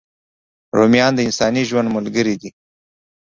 رومیان د انساني ژوند ملګري دي